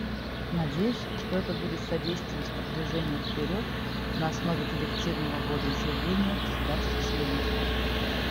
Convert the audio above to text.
Надеюсь, что это будет содействовать продвижению вперед на основе коллективного волеизъявления государств-членов.